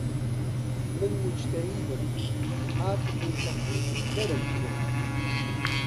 من موجتەهیدم، هاتم و تەقلیدی کەرم کرد